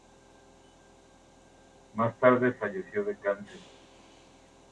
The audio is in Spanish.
Más tarde falleció de cáncer.